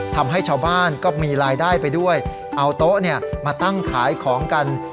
ทำให้ชาวบ้านก็มีรายได้ไปด้วยเอาโต๊ะเนี่ยมาตั้งขายของกัน